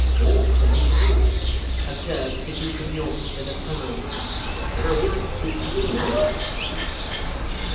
" Ought to be hanged," observed the Duke of York, with a frown. " How is the fleet to be manned